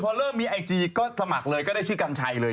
พอเริ่มมีไอจีก็สมัครเลยก็ได้ชื่อกัญชัยเลย